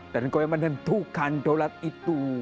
dan engkau yang menentukan daulat itu